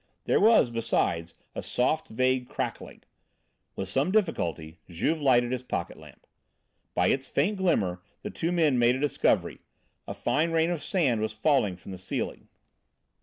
There was, besides, a soft, vague crackling. With some difficulty Juve lighted his pocket lamp. By its faint glimmer the two men made a discovery. A fine rain of sand was falling from the ceiling.